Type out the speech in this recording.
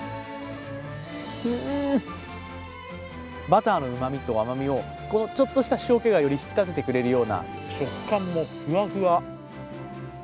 うーんバターのうまみと甘みをこのちょっとした塩気がより引き立ててくれるような、食感もふわふわ。